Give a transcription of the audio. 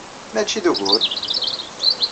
Maci d ugur!